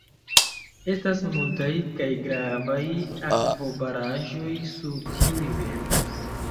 Estas multaj kaj gravaj akvobaraĵoj sur tiu rivero.